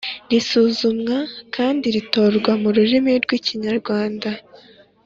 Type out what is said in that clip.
risuzumwa kandi ritorwa mu rurimi rw ikinyarwanda